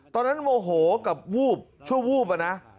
ตอนนั้นโวโหกับวูบชั่ววูบนะ